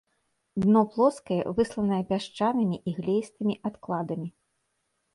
Дно плоскае, высланае пясчанымі і глеістымі адкладамі.